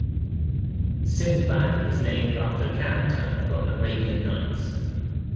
Sindbad is named after a character from Arabian Nights.